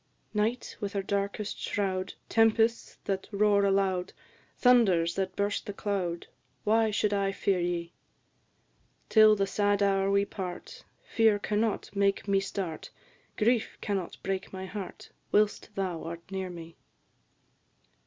Night, with her darkest shroud, Tempests that roar aloud, Thunders that burst the cloud, Why should I fear ye? Till the sad hour we part, Fear cannot make me start; Grief cannot break my heart Whilst thou art near me.